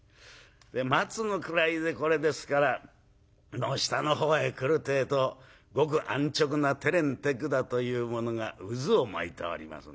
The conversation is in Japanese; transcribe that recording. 松の位でこれですから下の方へ来るてえとごく安直な手練手管というものが渦を巻いております。